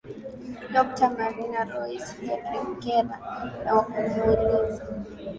dokta marina loice jelekela na kumuuliza